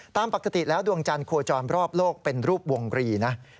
ตามปกติแล้วดวงจันทร์โคจรรอบโลกเป็นรูปวงรีนะ